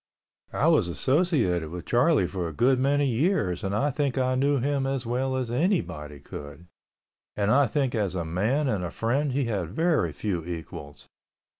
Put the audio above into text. I was associated with Charlie for a good many years and I think I knew him as well as anybody could, and I think as a man and a friend he had very few equals.